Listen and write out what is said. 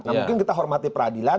nah mungkin kita hormati peradilan